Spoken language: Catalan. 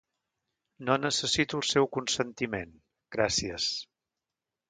No necessito el seu consentiment, gràcies.